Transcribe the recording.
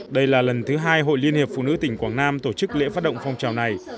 đây là lần thứ hai hội liên hiệp phụ nữ tỉnh quảng nam tổ chức lễ phát động phong trào này